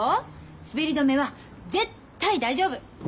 滑り止めは絶対大丈夫！